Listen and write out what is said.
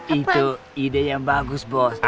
itu ide yang bagus bos